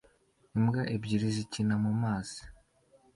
imbwa ebyiri zikina mumazi